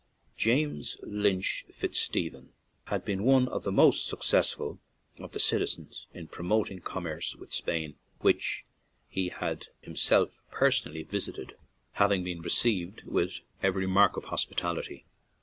James Lynch Fitzstephen had been one of the most successful of the citizens in promoting commerce with Spain, which he had himself personally visited, hav ing been received with every mark of hos pitality.